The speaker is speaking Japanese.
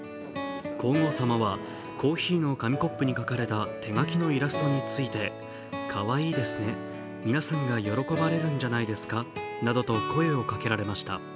皇后さまはコーヒーの紙コップに描かれた手書きのイラストについてかわいいですね、皆さんが喜ばれるんじゃないですかなどと声をかけられました。